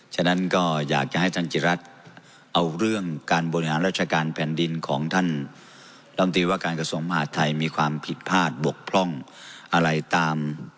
ฉะนั้นก็อยากจะให้ท่านจิรัตน์เอาเรื่องการบริหารราชการแผ่นดินของท่านลำตีว่าการกระทรวงมหาดไทยมีความผิดพลาดบกพร่องอะไรตาม